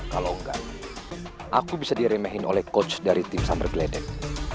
kalau enggak aku bisa diremehin oleh coach dari tim summer gledek